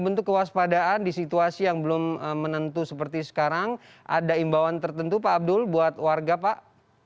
bentuk kewaspadaan di situasi yang belum menentu seperti sekarang ada imbauan tertentu pak abdul buat warga pak